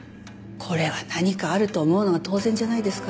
これは何かあると思うのが当然じゃないですか？